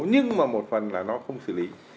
nhưng mà một phần là nó không xử lý